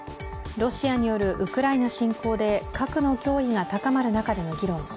ロシアによるウクライナ侵攻で核の脅威が高まる中での議論。